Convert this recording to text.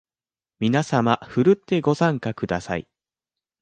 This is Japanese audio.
みなさまふるってご参加ください